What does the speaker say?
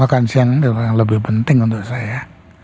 makan siang ini yang lebih penting untuk saya